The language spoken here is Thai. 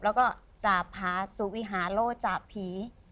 แล้วก็จับพาทสุวิษย์เราจะจับผี